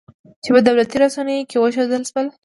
چې په دولتي رسنیو کې وښودل شول